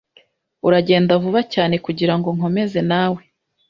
Uragenda vuba cyane kugirango nkomeze nawe.